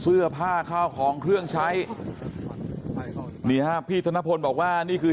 เสื้อผ้าข้าวของเครื่องใช้นี่ฮะพี่ธนพลบอกว่านี่คือ